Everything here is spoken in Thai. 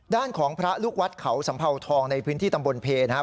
ด้านของพระลูกวัดเขาสัมเภาทองในพื้นที่ตำบลเพนะครับ